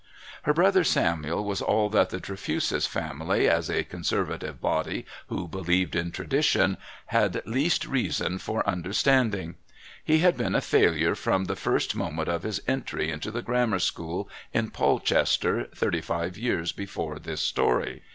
Her brother Samuel was all that the Trefusis family, as a conservative body who believed in tradition, had least reason for understanding. He had been a failure from the first moment of his entry into the Grammar School in Polchester thirty five years before this story.